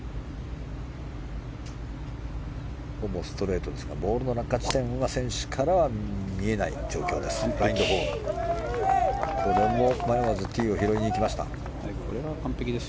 ほぼストレートですがボールの落下地点は選手から見えない状況です。